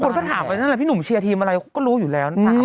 คนก็ถามไปนั่นแหละพี่หนุ่มเชียร์ทีมอะไรก็รู้อยู่แล้วนะคะ